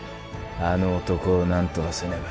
あの男をなんとかせねば。